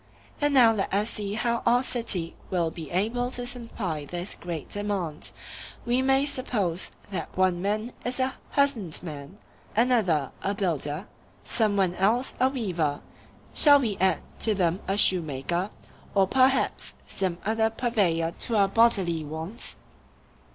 And now let us see how our city will be able to supply this great demand: We may suppose that one man is a husbandman, another a builder, some one else a weaver—shall we add to them a shoemaker, or perhaps some other purveyor to our bodily wants?